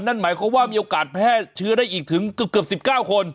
นั่นหมายความว่ามีโอกาสแพร่เชื้อได้อีกถึงเกือบ๑๙คน